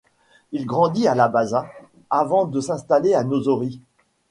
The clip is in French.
Il grandit à Labasa avant de s'installer à Nausori.